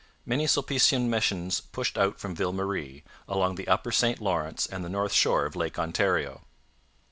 Many Sulpician missions pushed out from Ville Marie, along the upper St Lawrence and the north shore of Lake Ontario.